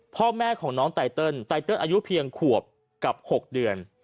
พ่อแม่ของน้องไตเติลไตเติลอายุเพียงขวบกับ๖เดือน